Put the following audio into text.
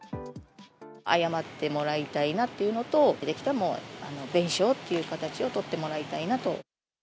謝ってもらいたいなというのと、できたら弁償っていう形をとってもらいたいなと。